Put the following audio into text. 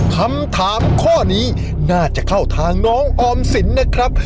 คำถามข้อนี้น่าจะเข้าทางน้องออมสินนะครับ